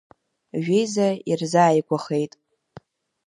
Жәеиза ирзааигәахеит…